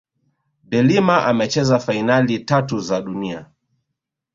de Lima amecheza fainali tatu za dunia